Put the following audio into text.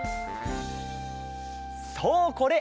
そうこれ！